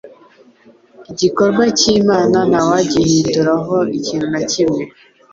Igikorwa cy'Imana ntawagihindura ho ikintu na kimwe